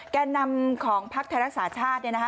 แก่นำของภักดิ์ไทยรักษาชาติเนี่ยนะคะ